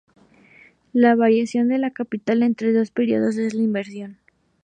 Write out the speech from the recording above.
La variación del capital entre dos períodos es la inversión.